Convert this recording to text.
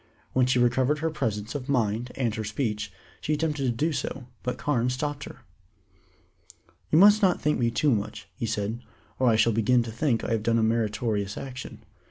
When she recovered her presence of mind and her speech, she attempted to do so, but Carne stopped her. "You must not thank me too much," he said, "or I shall begin to think I have done a meritorious action.